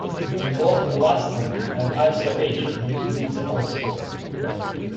Both Elastinen and Iso H produce beats also.